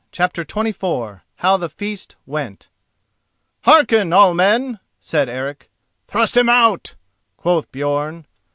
CHAPTER XXIV HOW THE FEAST WENT "Hearken all men!" said Eric. "Thrust him out!" quoth Björn.